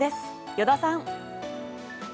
依田さん